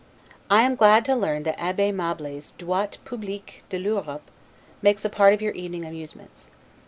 I am glad to learn that Abbe Mably's 'Droit Public de l'Europe' makes a part of your evening amusements.